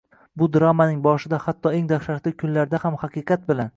Bu dramaning boshida, hatto eng dahshatli kunlarda ham haqiqat bilan